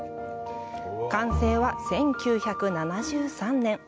完成は１９７３年。